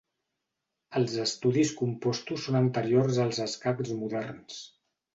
Els estudis compostos són anteriors als escacs moderns.